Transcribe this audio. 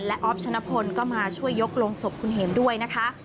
และออฟชนะพลก็มาช่วยยกลงศพคุณเห็มด้วยนะคะ